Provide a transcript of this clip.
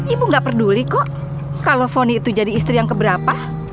ibu gak peduli kok kalau foni itu jadi istri yang keberapa